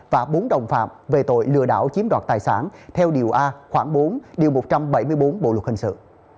và bốn đồng phạm về tội lừa đảo chiếm đoạt tài sản theo điều a khoảng bốn điều một trăm bảy mươi bốn bộ luật hình sự